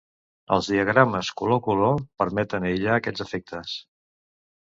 Els diagrames color–color permeten aïllar aquests efectes.